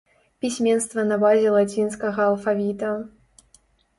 Пісьменства на базе лацінскага алфавіта.